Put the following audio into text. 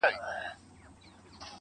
اوس چي مخ هرې خوا ته اړوم الله وينم,